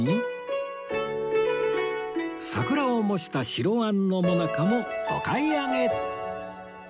桜を模した白あんの最中もお買い上げ！